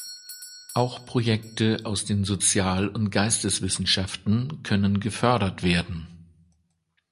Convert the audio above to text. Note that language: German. Auch Projekte aus den Sozial- und Geisteswissenschaften können gefördert werden.